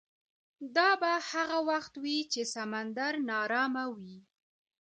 دا به هغه وخت وي چې سمندر ناارامه وي.